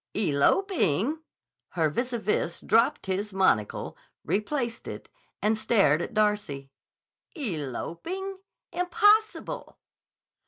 "Eloping?" Her vis à vis dropped his monocle, replaced it, and stared at Darcy. "Eloping! Impossible!"